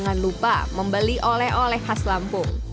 jangan lupa membeli oleh oleh khas lampung